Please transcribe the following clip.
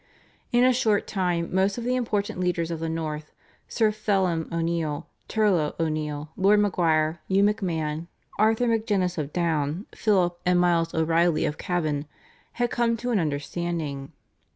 In a short time most of the important leaders of the North, Sir Phelim O'Neill, Turlogh O'Neill, Lord Maguire, Hugh MacMahon, Arthur MacGennis of Down, Philip and Miles O'Reilly of Cavan had come to an understanding.